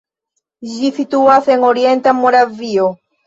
Ĝi situas en orienta Moravio.